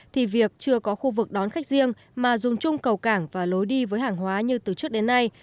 thì việc chưa có khu vực đón khách riêng mà dùng chung cầu cảng và lối đi với hàng hóa như từ trước đến nay